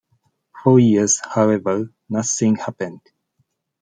For years, however, nothing happened.